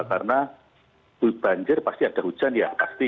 karena di banjir pasti ada hujan ya pasti